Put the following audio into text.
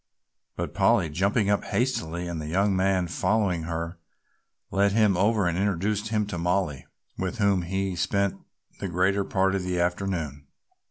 But Polly, jumping up hastily and the young man following her, led him over and introduced him to Mollie, with whom he spent the greater part of the afternoon.